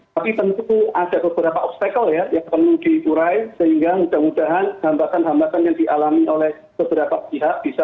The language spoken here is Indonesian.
tapi tentu ada beberapa obstacle ya yang perlu diurai sehingga mudah mudahan hambatan hambatan yang dialami oleh beberapa pihak bisa